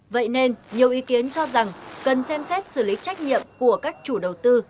vậy nên nhiều ý kiến cho rằng cần xem xét xử lý trách nhiệm của các chủ đầu tư